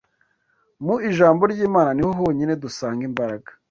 Mu ijambo ry’Imana ni ho honyine dusanga imbaraga